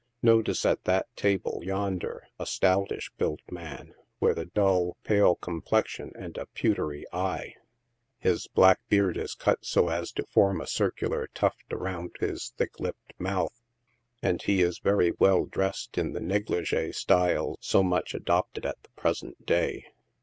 Notice at that table, yonder, a stoutish built man, with a dull, pale complexion and a pewtery eye. His black beard is cut so as to form a circular tuft around his thick lipped mouth, and he is very well dressed in the neglige style so much adopted at the present day.